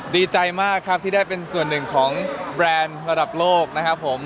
ดีใจมากครับที่ได้เป็นส่วนหนึ่งของแบรนด์ระดับโลกนะครับผม